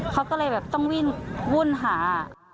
เขาก็เลยต้องวุ่นหา